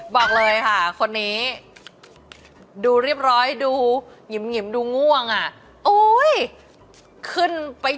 บอกเลยค่ะคนนี้ดูเรียบร้อยดูหงิมดูง่วงอ่ะ